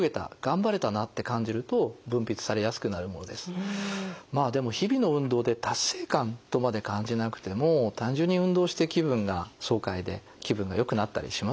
だからまあでも日々の運動で達成感とまで感じなくても単純に運動して気分が爽快で気分がよくなったりしますよね。